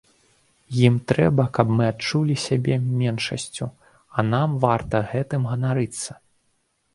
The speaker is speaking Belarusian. Ім трэба, каб мы адчулі сябе меншасцю, а нам варта гэтым ганарыцца.